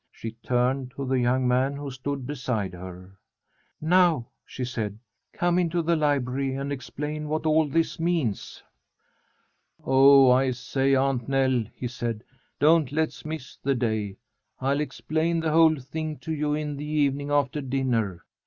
She turned to the young man who stood beside her. "Now," she said, "come into the library and explain what all this means." "Oh, I say, Aunt Nell," he said, "don't let's miss the day. I'll explain the whole thing to you in the evening after dinner."